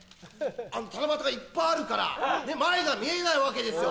七夕がいっぱいあるから前が見えないわけですよ。